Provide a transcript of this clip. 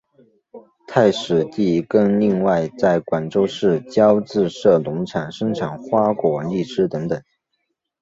太史第更另外在广州市郊自设农场生产花果荔枝等等。